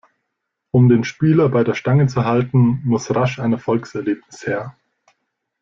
Um den Spieler bei der Stange zu halten, muss rasch ein Erfolgserlebnis her.